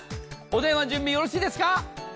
お電話準備よろしいですか？